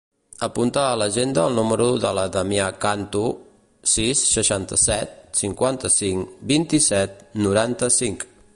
Apunta a l'agenda el número de la Damià Canto: sis, seixanta-set, cinquanta-cinc, vint-i-set, noranta-cinc.